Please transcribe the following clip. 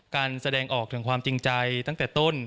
แสดงออกถึงความจริงใจตั้งแต่ต้น